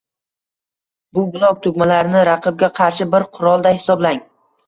Bu blok tugmalarini raqibga qarshi bir qurolday hisoblang